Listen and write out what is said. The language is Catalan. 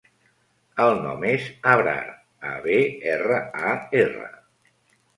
El nom és Abrar: a, be, erra, a, erra.